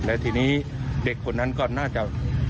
แล้วทีนี้เด็กคนนั้นก็น่าจะ